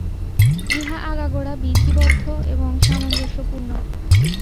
ইহা আগাগোড়া বিধিবদ্ধ এবং সামঞ্জস্যপূর্ণ।